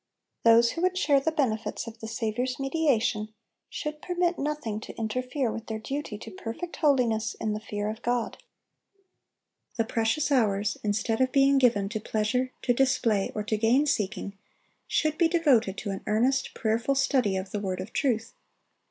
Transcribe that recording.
Those who would share the benefits of the Saviour's mediation should permit nothing to interfere with their duty to perfect holiness in the fear of God. The precious hours, instead of being given to pleasure, to display, or to gain seeking, should be devoted to an earnest, prayerful study of the Word of truth.